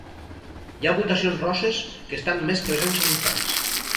Hi ha mutacions rosses que estan més presents en infants.